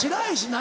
何